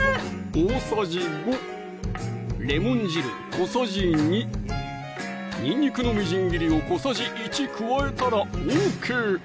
大さじ５レモン汁小さじ２にんにくのみじん切りを小さじ１加えたらＯＫ